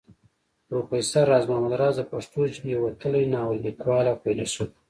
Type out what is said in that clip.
پروفېسر راز محمد راز د پښتو ژبې يو وتلی ناول ليکوال او فيلسوف وو